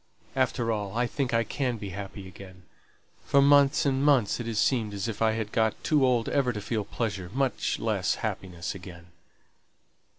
After all, I think I can be happy again; for months and months it has seemed as if I had got too old ever to feel pleasure, much less happiness again."